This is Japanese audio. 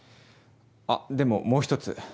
あっでももう１つ。